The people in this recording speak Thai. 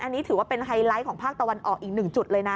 อันนี้ถือว่าเป็นไฮไลท์ของภาคตะวันออกอีกหนึ่งจุดเลยนะ